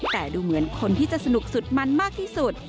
แต่ดูเหมือนคนที่จะสนุกสุดมันมากที่สุด